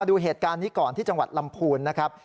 ดูเหตุการณ์นี้ก่อนที่จังหวัดลำพูนนะครับ